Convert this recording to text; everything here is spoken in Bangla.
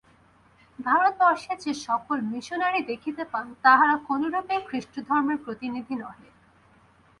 ভারতবর্ষে যে সকল মিশনরী দেখিতে পান, তাহারা কোনরূপেই খ্রীষ্টধর্মের প্রতিনিধি নহে।